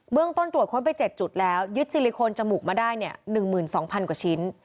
เรื่องต้นตรวจค้นไป๗จุดแล้วยึดซิลิโคนจมูกมาได้๑๒๐๐กว่าชิ้น